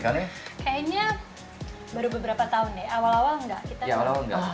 kayaknya baru beberapa tahun ya awal awal enggak kita